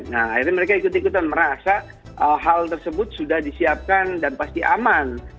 nah akhirnya mereka ikut ikutan merasa hal tersebut sudah disiapkan dan pasti aman